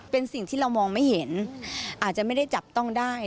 เป็นสิ่งที่เรามองไม่เห็นอาจจะไม่ได้จับต้องได้